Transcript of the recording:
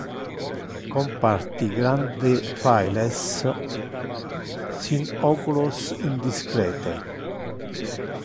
Comparti grande files sin oculos indiscrete.